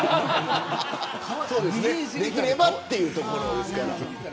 できればっていうところですから。